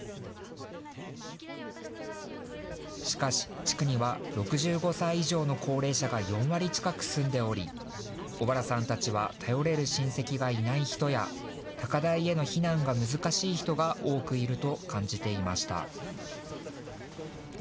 しかし地区には６５歳以上の高齢者が４割近く住んでおり小原さんたちは頼れる親戚がいない人や高台への避難が難しい人が多くいると感じていました。